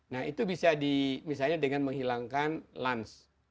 nah itu bisa di misalnya dengan menghilangkan lunch